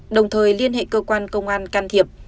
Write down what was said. đồng thời liên hệ cơ quan công an can thiệp